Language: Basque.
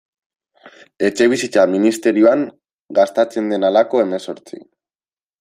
Etxebizitza ministerioan gastatzen den halako hemezortzi.